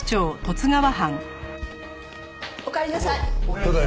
おかえりなさい。